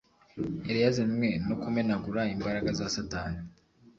Yari yazanywe no kumenagura imbaraga za Satani,